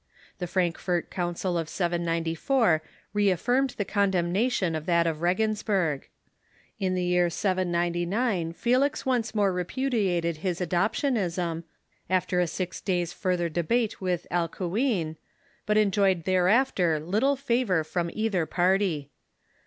The Frankfort Council of 794 reaftirmed the condemnation of that of Regensburg. In the year 799 Felix once more repudiated his adoptianism, after a six days' further debate with Alcuin, but enjoyed thereafter little favor from either party.